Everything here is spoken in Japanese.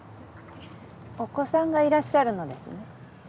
お子さんがいらっしゃるのですね。